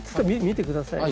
見てください。